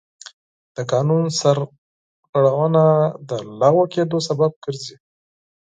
د قانون سرغړونه د لغوه کېدو سبب ګرځي.